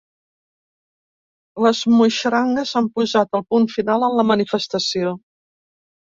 Les muixerangues han posat el punt final a la manifestació.